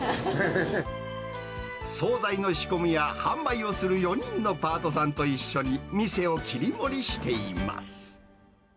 総菜の仕込みや販売をする４人のパートさんと一緒に店を切り盛りしています。